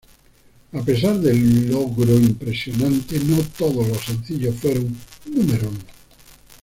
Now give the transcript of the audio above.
A pesar del logro impresionante, no todos los sencillos fueron número uno.